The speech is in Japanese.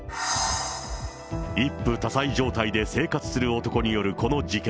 一夫多妻状態で生活する男によるこの事件。